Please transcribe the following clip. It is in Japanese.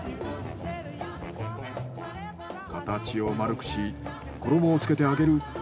形を丸くし衣をつけて揚げる。